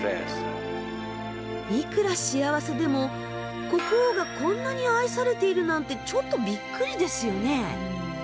いくら幸せでも国王がこんなに愛されているなんてちょっとびっくりですよね。